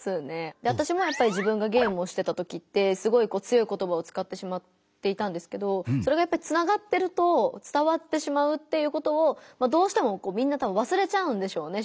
わたしもやっぱり自分がゲームをしてた時ってすごいこう強い言葉をつかってしまっていたんですけどそれがやっぱりつながってると伝わってしまうっていうことをどうしてもこうみんなたぶんわすれちゃうんでしょうね